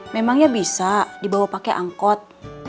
memangnya bisa dibawa pakai angkot